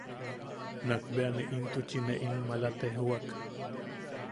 Nak bea ne intuchi ne in malam tejwak.